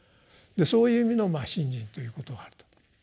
そういう意味のまあ「信心」ということがあると。